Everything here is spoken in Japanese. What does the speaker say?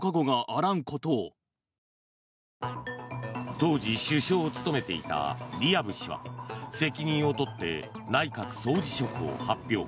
当時、首相を務めていたディアブ氏は責任を取って内閣総辞職を発表。